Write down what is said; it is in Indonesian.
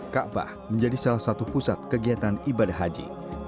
kaabah menjadi salah satu pusat kegiatan ibadah haji